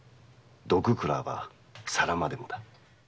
「毒食らわば皿までも」だ。